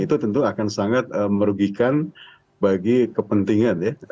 itu tentu akan sangat merugikan bagi kepentingan ya